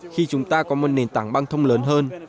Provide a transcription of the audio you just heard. khi chúng ta có một nền tảng băng thông lớn hơn